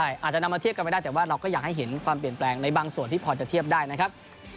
อาจจะนำมาเทียบกันไม่ได้แต่ว่าเราก็อยากให้เห็นความเปลี่ยนแปลงในบางส่วนที่พอจะเทียบได้นะครับ